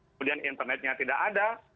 kemudian internetnya tidak ada